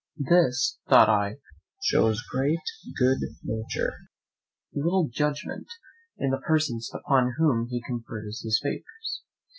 This, thought I, shows a great good nature, but little judgment, in the persons upon whom he confers his favours.